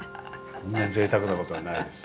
こんなぜいたくなことはないです。